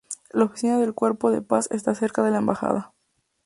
La oficina del Cuerpo de Paz está cerca de la embajada.